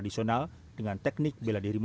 dan juga olimpiade